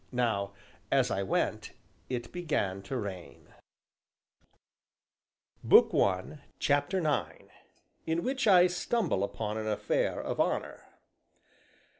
Now, as I went, it began to rain. CHAPTER IX IN WHICH I STUMBLE UPON AN AFFAIR OF HONOR.